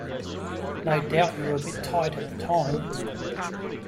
No doubt you were a bit tight at the time.